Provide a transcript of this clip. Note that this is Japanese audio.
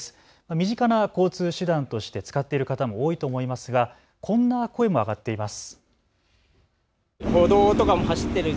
身近な交通手段として使っている方も多いと思いますがこんな声も上がっています。